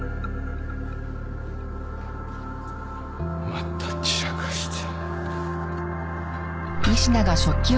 また散らかして。